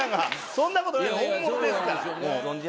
そんなことない本物ですから。